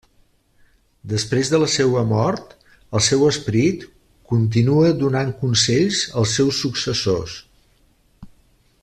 Després de la seua mort, el seu esperit continua donant consells als seus successors.